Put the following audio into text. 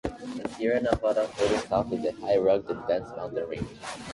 The Sierra Nevada, further south, is a high, rugged, and dense mountain range.